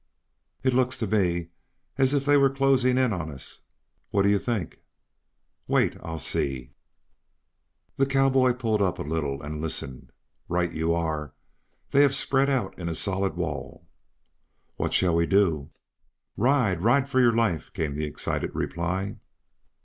"It looks to me as if they were closing in on us. What do you think?" "Wait! I'll see." The cowboy pulled up a little and listened. "Right you are. They have spread out in a solid wall." "What shall we do?" "Ride! Ride for your life!" came the excited reply.